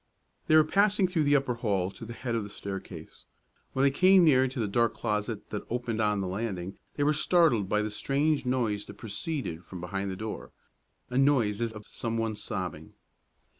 They were passing through the upper hall to the head of the staircase. When they came near to the dark closet that opened on the landing, they were startled by the strange noise that proceeded from behind the door, a noise as of some one sobbing.